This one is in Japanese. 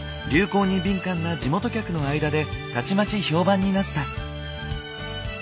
流行に敏感な地元客の間でたちまち評判になった。